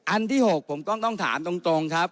ที่๖ผมต้องถามตรงครับ